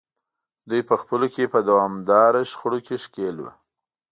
دوی په خپلو کې په دوامداره شخړو کې ښکېل وو.